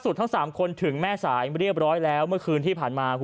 ทั้ง๓คนถึงแม่สายเรียบร้อยแล้วเมื่อคืนที่ผ่านมา